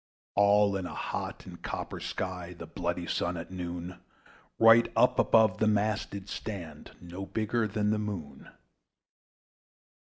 All in a hot and copper sky, The bloody Sun, at noon, Right up above the mast did stand, No bigger than the Moon.